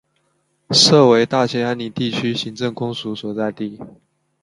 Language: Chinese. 设为大兴安岭地区行政公署所在地。